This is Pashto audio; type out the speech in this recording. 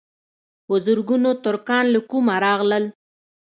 په زرګونو ترکان له کومه راغلل.